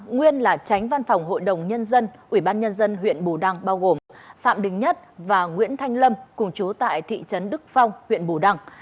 nguyên là tránh văn phòng hội đồng nhân dân ủy ban nhân dân huyện bù đăng bao gồm phạm đình nhất và nguyễn thanh lâm cùng chú tại thị trấn đức phong huyện bù đăng